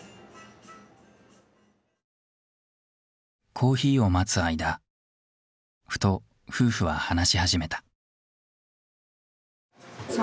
コーヒーを待つ間ふと夫婦は話し始めた。